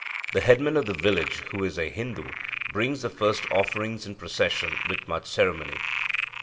The headman of the village, who is a Hindu, brings the first offerings in procession with much ceremony.